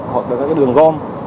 hoặc là các cái đường gom